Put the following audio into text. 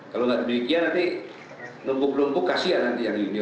kalau nggak demikian nanti numpuk numpuk kasihan nanti yang ini